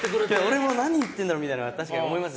俺も何言ってるんだろうみたいな思いました。